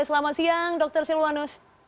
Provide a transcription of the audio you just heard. selamat siang dr silwanus